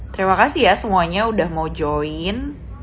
terima kasih ya semuanya udah mau join